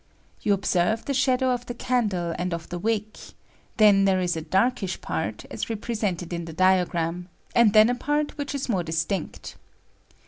* You observe the shadow of the candle and of the wick; then there is a darkish part, as repre sented in the diagram, and then a part which is more distinct.